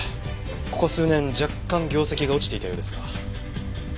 ここ数年若干業績が落ちていたようですが。